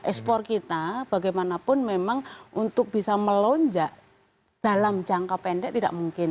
ekspor kita bagaimanapun memang untuk bisa melonjak dalam jangka pendek tidak mungkin